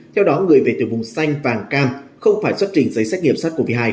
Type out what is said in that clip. theo đó người về từ vùng xanh vàng cam không phải xuất trình giấy xét nghiệm sars cov hai